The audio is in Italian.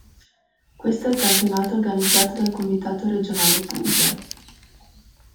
Questo è il campionato organizzato dal Comitato Regionale Puglia.